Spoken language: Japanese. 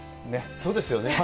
そうですよね。